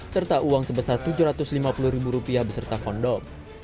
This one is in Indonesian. serta uang sebesar tujuh ratus lima puluh ribu rupiah beserta kondom